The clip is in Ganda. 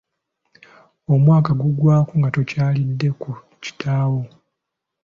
Omwaka guggwaako nga tokyalidde ku kitaawo.